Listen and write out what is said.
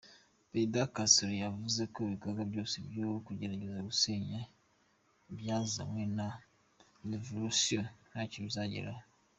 Perezida Castro yavuze ko ibikorwa byose byo kugerageza gusenya ibyazanzwe na revolusiyo ntacyo bizageraho.